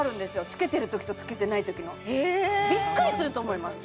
着けてるときと着けてないときのへえびっくりすると思います